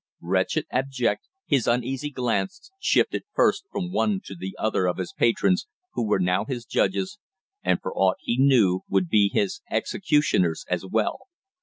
Wretched, abject, his uneasy glance shifted first from one to the other of his patrons, who were now his judges, and for aught he knew would be his executioners as well.